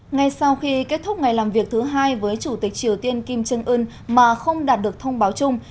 ngay sau khi kết thúc ngày làm việc thứ hai với chủ tịch triều tiên kim trương ưn mà không đạt được thông báo chung